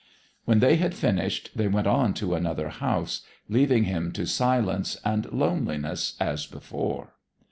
When they had finished they went on to another house, leaving him to silence and loneliness as before.